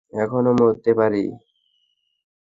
এখনও মারতে পারি।